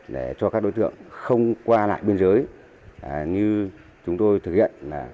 để cho các đối tượng không qua lại biên giới như chúng tôi thực hiện